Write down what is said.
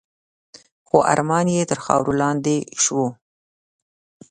خو ارمان یې تر خاورو لاندي شو .